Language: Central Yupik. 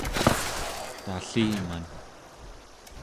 talliman